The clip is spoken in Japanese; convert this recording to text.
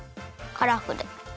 カラフル？